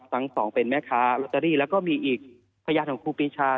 ทั้งสองเป็นแม่ค้าลอตเตอรี่แล้วก็มีอีกพยานของครูปีชา